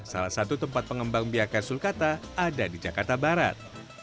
salah satu tempat pengembang biaka sulkata ada di jakarta barat